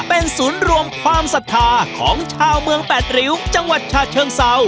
เป็นศูนย์รวมความศรัทธาของชาวเมืองแปดริ้วจังหวัดฉะเชิงเซา